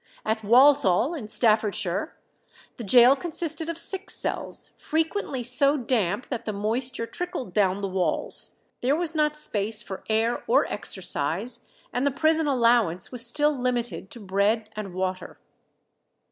At Walsall, in Staffordshire, the gaol consisted of six cells, frequently so damp that the moisture trickled down the walls; there was not space for air or exercise, and the prison allowance was still limited to bread and water.